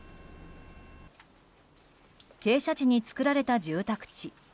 傾斜地に造られた住宅地。